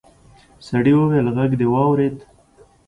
سړي وويل غږ دې واورېد.